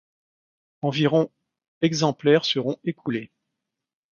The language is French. Environ exemplaires seront écoulés.